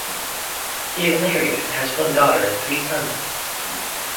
He is married and has one daughter and three sons.